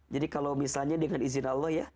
jadi kalau misalnya dengan izin allah ya